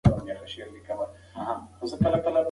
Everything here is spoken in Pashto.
زنجبیل چای ښه دی.